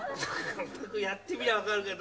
やってみりゃ分かるけど。